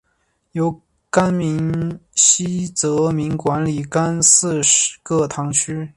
由廿七名司铎名管理廿四个堂区。